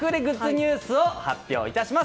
ニュースを発表いたします。